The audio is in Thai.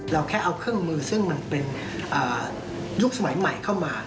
แค่เอาเครื่องมือซึ่งมันเป็นยุคสมัยใหม่เข้ามา